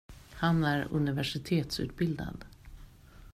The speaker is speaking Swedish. Han är universitetsutbildad.